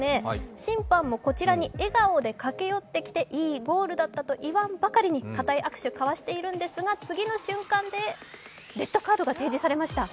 審判もこちらに、笑顔で駆け寄ってきて、いいゴールだったと言わんばかりにかたい握手をかわしているんですが、次の瞬間で、レッドカードを提示されました。